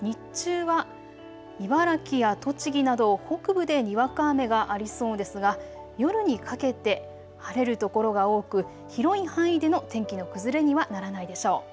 日中は茨城や栃木など北部でにわか雨がありそうですが夜にかけて晴れる所が多く広い範囲での天気の崩れにはならないでしょう。